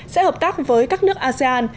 sẽ hợp tác với các nước asean